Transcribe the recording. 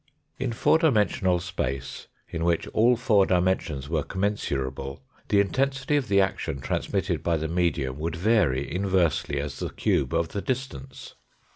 In four dimensional space, in which all four dimensions were commensurable, the intensity of the action transmitted by the medium would vary inversely as the cube of the distance.